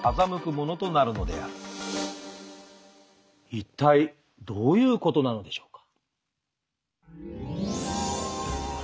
一体どういうことなのでしょうか？